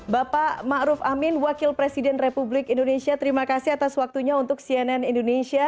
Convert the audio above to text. bapak ma'ruf amin wakil presiden republik indonesia terima kasih atas waktunya untuk cnn indonesia